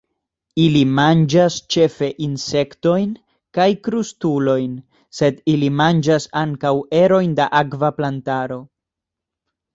Ili manĝas ĉefe insektojn kaj krustulojn, sed ili manĝas ankaŭ erojn da akva plantaro.